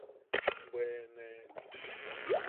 Bwe ne.